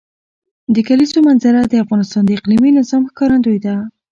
د کلیزو منظره د افغانستان د اقلیمي نظام ښکارندوی ده.